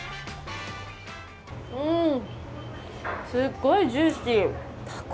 すっごいジューシー。